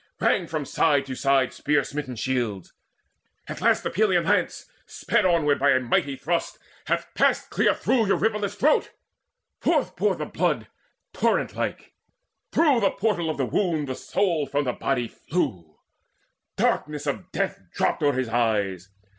Rang from side to side Spear smitten shields. At last the Pelian lance, Sped onward by a mighty thrust, hath passed Clear through Eurypylus' throat. Forth poured the blood Torrent like; through the portal of the wound The soul from the body flew: darkness of death Dropped o'er his eyes.